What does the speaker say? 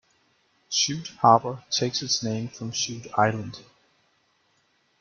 Shute Harbour takes its name from Shute Island.